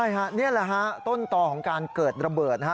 ใช่นี่แหละครับต้นต่อของการเกิดระเบิดครับ